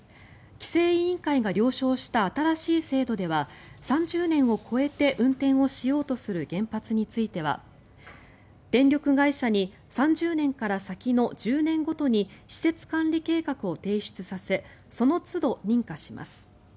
規制委員会が了承した新しい制度では３０年を超えて運転をしようとする原発については電力会社に３０年から先の１０年ごとに施設管理計画を提出させそのつど、認可します。